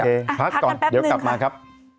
พักกันแป๊บนึงก่อนเดี๋ยวกลับมาครับ